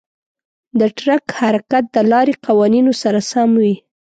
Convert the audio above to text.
د ټرک حرکت د لارې قوانینو سره سم وي.